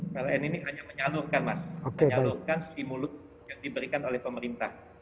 pln ini hanya menyalurkan mas menyalurkan stimulus yang diberikan oleh pemerintah